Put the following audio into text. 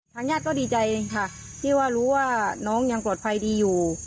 ทางญาติก็ดีใจค่ะที่ว่ารู้ว่าน้องยังปลอดภัยดีอยู่